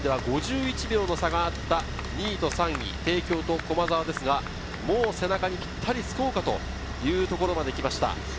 ５１秒の差があった２位と３位、帝京と駒澤ですが、もう背中にぴったりつこうかというところまで来ました。